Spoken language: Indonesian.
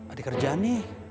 ada kerjaan nih